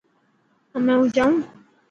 همي هون جائون.